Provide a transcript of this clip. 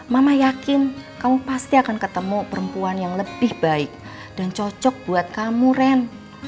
mama yakin kamu pasti akan ketemu perempuan yang lebih baik dan cocok buat kamu ren